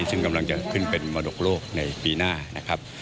ซึ่งกำลังจะขึ้นเป็นมรดกโลกในปีหน้านะครับ